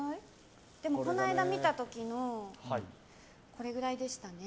でもこの間、見た時これくらいでしたね。